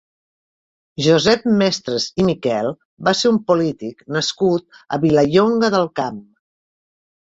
Josep Mestres i Miquel va ser un polític nascut a Vilallonga del Camp.